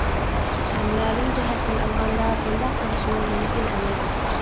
ھەم مەلۇم جەھەتتىن ئالغاندا بۇنداق قىلىشمۇ مۇمكىن ئەمەس.